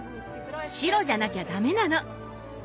白じゃなきゃダメなの。